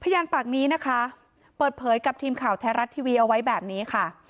ปากนี้นะคะเปิดเผยกับทีมข่าวไทยรัฐทีวีเอาไว้แบบนี้ค่ะ